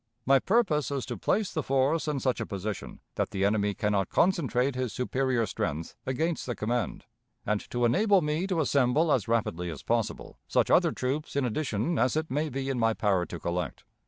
My purpose is to place the force in such a position that the enemy can not concentrate his superior strength against the command, and to enable me to assemble as rapidly as possible such other troops in addition as it may be in my power to collect.